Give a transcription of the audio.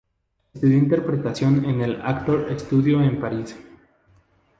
Estudió interpretación en el Actor Studio en París.